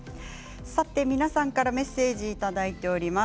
皆さんからメッセージをいただいています。